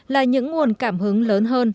là những nguồn cảm hứng lớn hơn